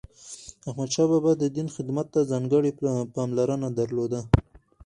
احمدشاه بابا د دین خدمت ته ځانګړی پاملرنه درلوده.